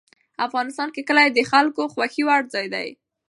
افغانستان کې کلي د خلکو خوښې وړ ځای دی.